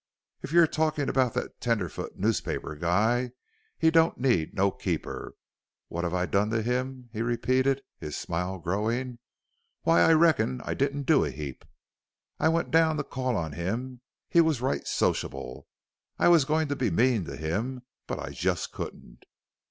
"If you're talkin' about that tenderfoot noospaper guy, he don't need no keeper. What have I done to him?" he repeated, his smile growing. "Why, I reckon I didn't do a heap; I went down to call on him. He was right sociable. I was goin' to be mean to him, but I just couldn't.